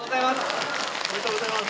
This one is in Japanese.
おめでとうございます！